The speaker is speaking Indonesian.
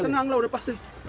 senang lah udah pasti